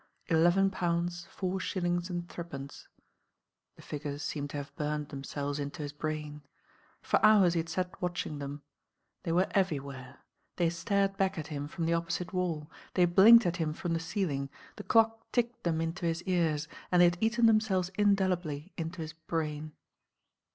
Eleven pounds four shillings and three pence. The figures seemed to have bqmed themselves into his brain. For hours he had sat watching them. They were everywhere. They stared back at hun from the opposite wall, they blinked at him from the ceiling, the clock ticked them into his ears, and they had eaten themselves indelibly into his brain.